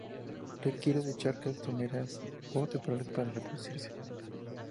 Requiere de charcas someras o temporales para reproducirse.